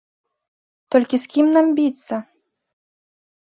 Толькі з кім нам біцца?